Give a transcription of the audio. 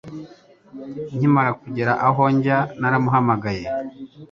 Nkimara kugera aho njya, naramuhamagaye.